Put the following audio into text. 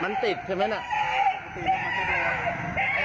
มันติดเลยมันติดเลย